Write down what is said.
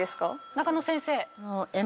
中野先生。